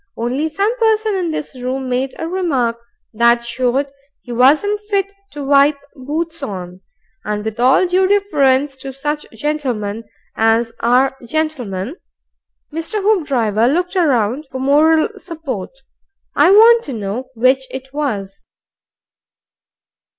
Only some person in this room made a remark that showed he wasn't fit to wipe boots on, and, with all due deference to such gentlemen as ARE gentlemen" (Mr. Hoopdriver looked round for moral support), "I want to know which it was."